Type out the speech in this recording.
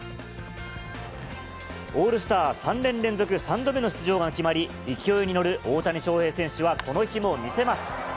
オールスター３年連続３度目の出場が決まり、勢いに乗る大谷翔平選手は、この日も見せます。